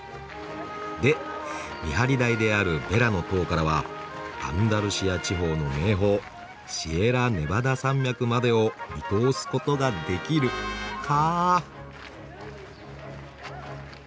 で見張り台であるベラの塔からはアンダルシア地方の名峰シエラネバダ山脈までを見通す事ができるか。